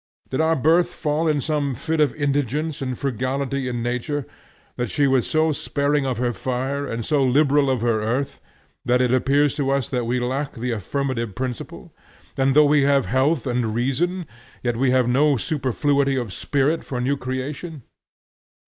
Did our birth fall in some fit of indigence and frugality in nature, that she was so sparing of her fire and so liberal of her earth that it appears to us that we lack the affirmative principle, and though we have health and reason, yet we have no superfluity of spirit for new creation?